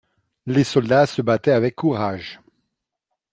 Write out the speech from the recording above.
Les soldats se battaient avec courage.